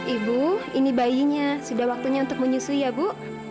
ibu ini bayinya sudah waktunya untuk menyusui ya bu